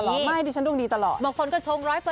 อ๋อหรอไม่ดิฉันดวงดีตลอด